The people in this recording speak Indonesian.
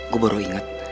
gua baru inget